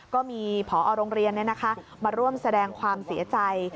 ก็มีผอโรงเรียนมาร่วมแสดงความเสียใจ